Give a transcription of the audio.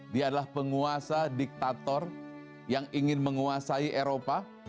dia adalah penguasa diktator yang ingin menguasai eropa